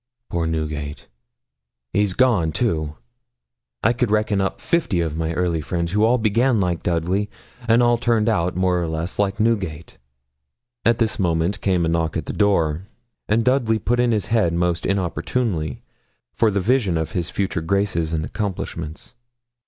Poor Newgate, he's gone, too! I could reckon up fifty of my early friends who all began like Dudley, and all turned out, more or less, like Newgate.' At this moment came a knock at the door, and Dudley put in his head most inopportunely for the vision of his future graces and accomplishments.